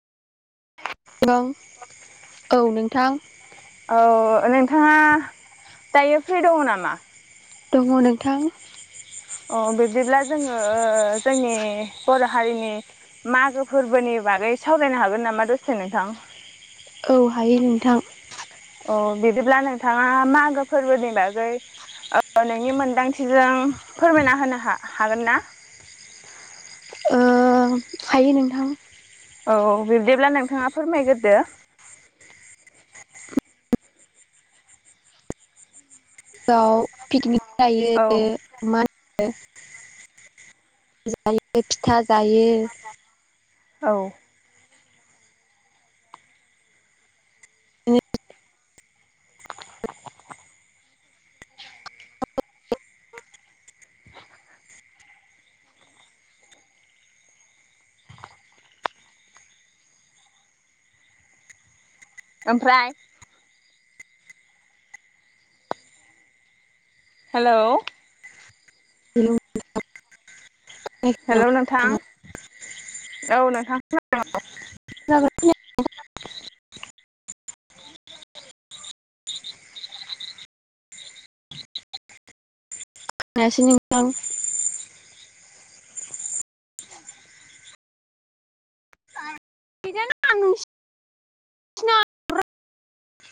ओं औ नोंथां । औ नोंथाङा दायो फ्रि दङ नामा? दङ नोंथां। अ बिदिब्ला जोङो जोंनि बर' हारिनि मागो फोरबोनि बागै सावरायनो हागोन नामा दसे नोंथां? औ हायो नोंथां। अ बिदिब्ला नोंथाङा मागो फोरबोनि बागै ओ नोंनि मोनदांथिजों फोरमायना होनो हा हागोन ना? ओ हायो नोंथां। औ बिब्दिब्ला नोंथाङा फोरमायगोरदो । व पिकनिक औ जायो मा? यो जायो फिथा जायो। औ । [unintelligible] ओमफ्राय? हेलौ‌ [unintelligible] हेल' नोंथां औ नोंथां ख [unintelligible] जाग [unintelligible] खोनायासै [unintelligible] बेजाना [unintelligible]